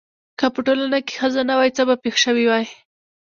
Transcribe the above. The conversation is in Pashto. که په ټولنه کې ښځه نه وای څه به پېښ شوي واي؟